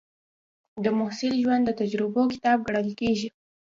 د محصل ژوند د تجربو کتاب ګڼل کېږي.